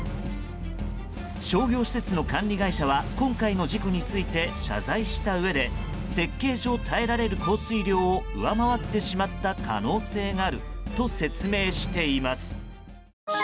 商業施設の管理会社は今回の事故について謝罪したうえで設計上耐えられる降水量を上回ってしまった可能性があると説明しています。